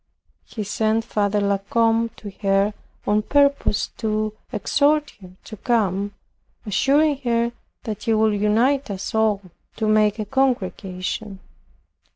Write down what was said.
He sent Father La Combe to her, on purpose to exhort her to come; assuring her that he would unite us all to make a congregation.